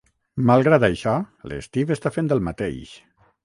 Malgrat això, l'Steve està fent el mateix.